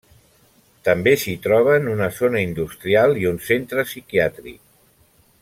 També s'hi troben una zona industrial i un centre psiquiàtric.